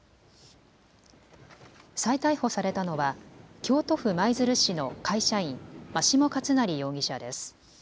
再逮捕されたのは京都府舞鶴市の会社員、眞下勝成容疑者です。